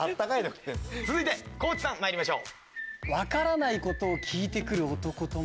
続いて地さんまいりましょう。